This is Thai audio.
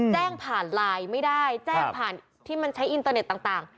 แจ้งผ่านไลน์ไม่ได้แจ้งผ่านที่มันใช้อินเตอร์เน็ตต่าง